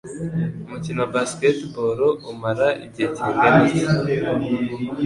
Umukino wa basketball umara igihe kingana iki?